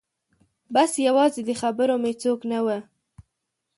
بس یوازې د خبرو مې څوک نه و